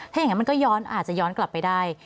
ถ้าอย่างนั้นมันก็ย้อนอาจจะย้อนกลับไปได้